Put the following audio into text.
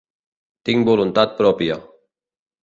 Tinc voluntat pròpia.